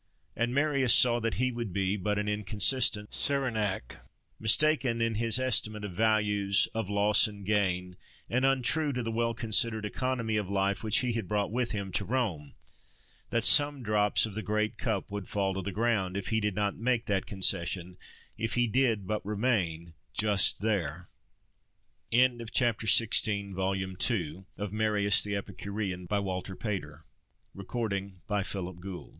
And Marius saw that he would be but an inconsistent Cyrenaic, mistaken in his estimate of values, of loss and gain, and untrue to the well considered economy of life which he had brought with him to Rome—that some drops of the great cup would fall to the ground—if he did not make that concession, if he did but remain just there. NOTES 21. +Transliteration: monochronos hêdonê. Pater's definition "the pleasure of the ideal pre